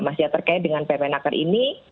mas ya terkait dengan permenaker ini